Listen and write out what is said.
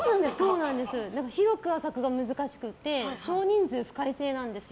広く浅くが難しくて少人数深い制なんですよ。